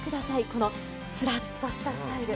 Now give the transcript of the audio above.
このすらっとしたスタイル。